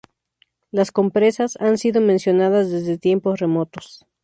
Las compresas han sido mencionadas desde tiempos remotos.